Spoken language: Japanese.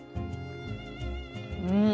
うん！